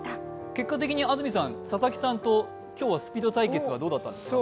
結果的に安住さん、佐々木さんと今日はスピード対決はどうだったんですか。